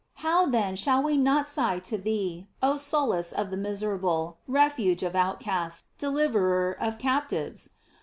How, then, shall we not sigh to thee, oh solace of the miserable, refuge of out casts, deliverer of captives?